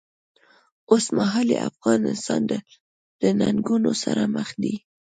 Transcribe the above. اوسمهالی افغان انسان له ننګونو سره مخ دی.